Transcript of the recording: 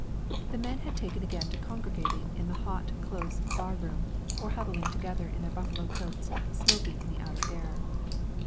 The men had taken again to congregating in the hot close bar room, or huddling together in their buffalo coats, smoking in the outer air.